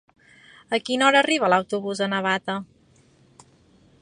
A quina hora arriba l'autobús de Navata?